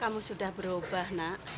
kamu sudah berubah nak